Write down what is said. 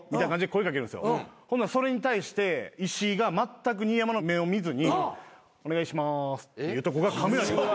それに対して石井がまったく新山の目を見ずにお願いしますって言うとこがカメラに。